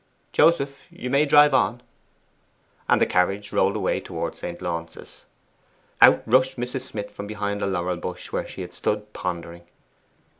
Joseph, you may drive on.' And the carriage rolled away towards St. Launce's. Out rushed Mrs. Smith from behind a laurel bush, where she had stood pondering.